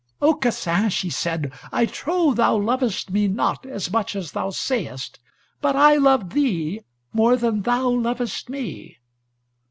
"Aucassin," she said, "I trow thou lovest me not as much as thou sayest, but I love thee more than thou lovest me."